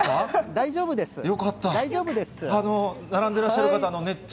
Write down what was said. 大丈夫ですよ。